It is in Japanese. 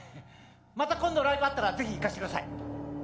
また今度ライブあったらぜひ行かせてください。